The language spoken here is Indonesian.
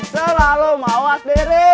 selalu mawas diri